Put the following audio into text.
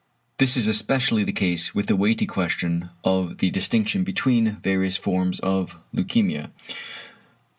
This is especially the case with the weighty question of the distinction between various forms of leukæmia.